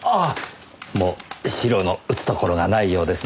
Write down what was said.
もう白の打つところがないようですね。